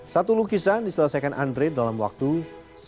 satu lukisan diselesaikan andre dalam waktu sehari